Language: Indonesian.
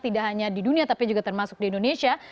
tidak hanya di dunia tapi juga termasuk di indonesia